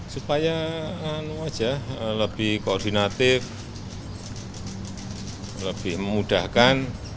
supaya lebih koordinatif lebih memudahkan